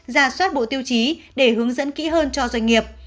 ra soát bộ tiêu chí để hướng dẫn kỹ hơn cho doanh nghiệp